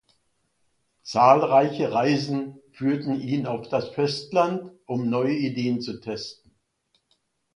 Zahlreiche Reisen führten ihn auf das Festland, um neue Ideen zu testen.